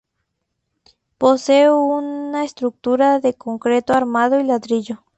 Posee una estructura de concreto armado y ladrillo.